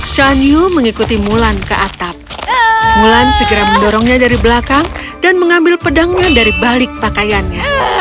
shan yu mengikuti mulan ke atap mulan segera mendorongnya dari belakang dan mengambil pedangnya dari balik pakaiannya